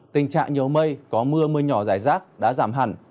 tình trạng nhiều mây có mưa mưa nhỏ rải rác đã giảm hẳn